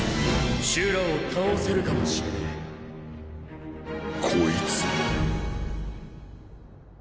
シュラを倒せるかもしれねえこいつ。